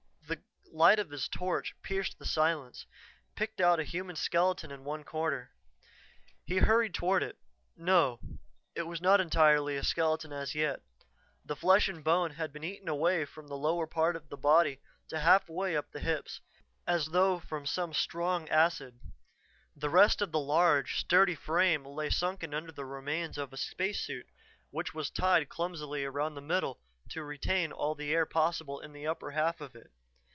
The light of his torch pierced the silence, picked out a human skeleton in one corner. He hurried toward it no, it was not entirely a skeleton as yet. The flesh and bone had been eaten away from the lower part of the body to halfway up the hips, as though from some strong acid. The rest of the large, sturdy frame lay sunken under the remains of a spacesuit which was tied clumsily around the middle to retain all the air possible in the upper half of it.